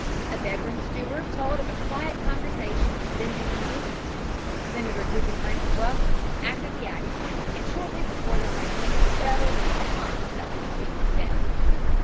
A bedroom steward told of a quiet conversation with Benjamin Guggenheim, Senator Guggenheim's brother, after the accident and shortly before the Titanic settled in the plunge that was to be his death.